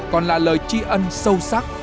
còn là lời chi ân sâu sắc